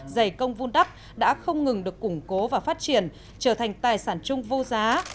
giày công vun đắp đã không ngừng được củng cố và phát triển trở thành tài sản chung vô giá